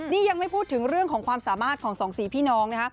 นี่ยังไม่พูดถึงเรื่องของความสามารถของสองสี่พี่น้องนะคะ